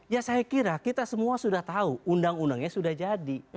ya saya kira kita semua sudah tahu undang undangnya sudah jadi